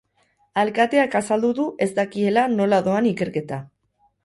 Alkateak azaldu du ez dakiela nola doan ikerketa.